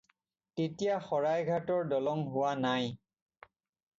তেতিয়া শৰাইঘাটৰ দলং হোৱা নাই।